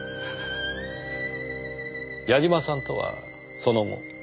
矢嶋さんとはその後。